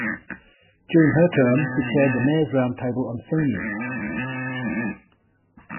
During her term, she chaired the Mayor's Roundtable on Seniors.